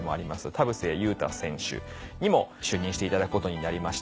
田臥勇太選手にも就任していただくことになりまして。